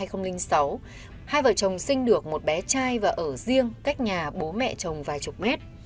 hai vợ chồng sinh được một bé trai và ở riêng cách nhà bố mẹ chồng vài chục mét